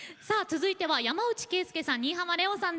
続いては山内惠介さん